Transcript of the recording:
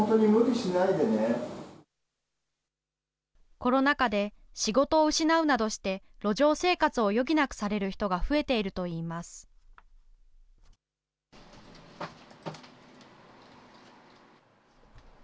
コロナ禍で仕事を失うなどして、路上生活を余儀なくされる人が増えているといいます。